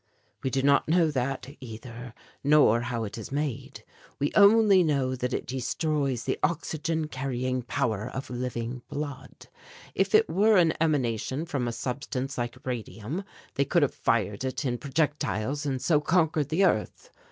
"We do not know that either, nor how it is made. We only know that it destroys the oxygen carrying power of living blood. If it were an emanation from a substance like radium, they could have fired it in projectiles and so conquered the earth.